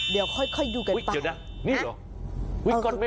เดี๋ยวค่อยดูกันไป